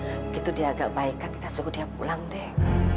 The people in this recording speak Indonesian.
begitu dia agak baik kita suruh dia pulang dek